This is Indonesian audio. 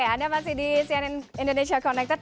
anda masih di cnn indonesia connected